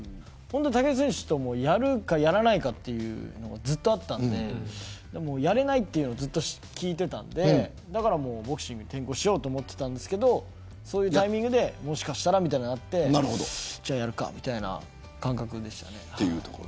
武尊選手とやるかやらないかということがずっとあって、やれないということを聞いていたのでだからボクシングに転向しようと思っていたんですけどそのタイミングでもしかしたらというのがあってじゃあやるかという感覚でした。